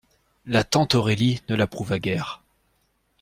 La tante Aurélie ne l'approuva guère.